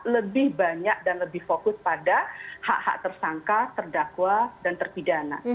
lebih banyak dan lebih fokus pada hak hak tersangka terdakwa dan terpidana